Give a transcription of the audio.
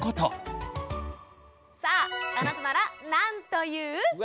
さああなたならなんと言う？